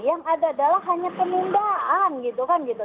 yang ada adalah hanya penundaan gitu kan gitu